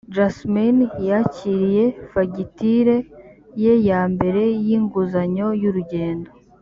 jasmin yakiriye fagitire ye ya mbere y inguzanyo y urugendo